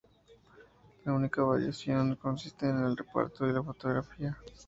La única variación consiste en el reparto y la fotografía.